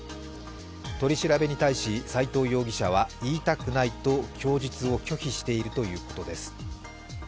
取り調べに対し斎藤容疑者は言いたくないと供述を拒否しているということです。